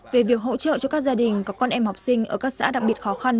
về việc hỗ trợ cho các gia đình có con em học sinh ở các xã đặc biệt khó khăn